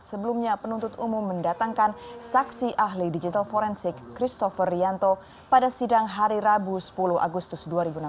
sebelumnya penuntut umum mendatangkan saksi ahli digital forensik christopher rianto pada sidang hari rabu sepuluh agustus dua ribu enam belas